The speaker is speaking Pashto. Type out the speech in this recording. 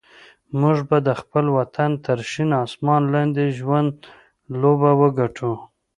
موږ به د خپل وطن تر شین اسمان لاندې د ژوند لوبه وګټو.